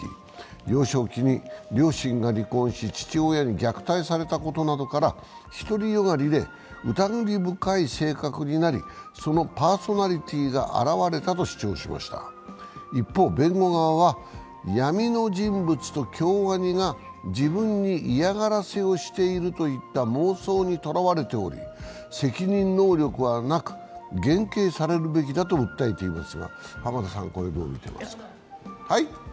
幼少期に両親が離婚し父親に虐待されたことなどから、独り善がりで疑り深い性格になりそのパーソナリティーが現れたと主張しました一方、弁護側は闇の人物と京アニが自分に嫌がらせをしているといった妄想にとらわれており、責任能力はなく、減刑されるべきだと訴えています。